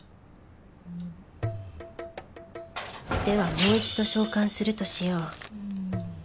ではもう一度召喚するとしよう。